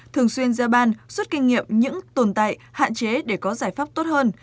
thường xuyên ra ban rút kinh nghiệm những tồn tại hạn chế để có giải pháp tốt hơn